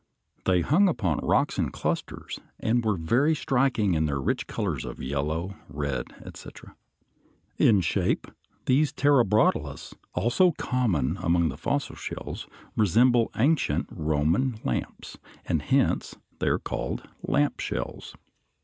They hung upon rocks in clusters, and were very striking in their rich colors of yellow, red, etc. In shape these Terebratulas, also common among the fossil shells, resemble ancient Roman lamps, and hence are called lamp shells.